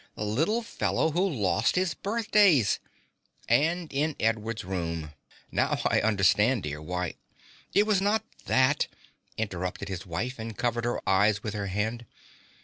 The little fellow who lost his birthdays! And in Edward's room. Now I understand, dear, why " "It was not that," interrupted his wife, and covered her eyes with her hand.